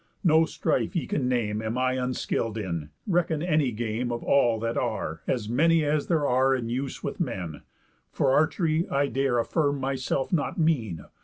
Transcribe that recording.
No strife ye can name Am I unskill'd in; reckon any game Of all that are, as many as there are In use with men. For archery I dare Affirm myself not mean.